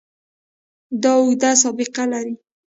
دا اوږده سابقه لري.